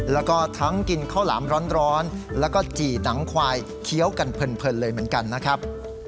แล้วก็ทั้งกินข้าวหลามร้อนแล้วก็จี่หนังควายเคี้ยวกันเพลินเลยเหมือนกันนะครับ